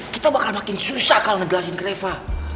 kita bakal makin susah kal ngejelasin ke reva